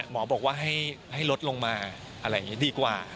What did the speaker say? หมอบอกทำให้ลดลงมาดีกว่า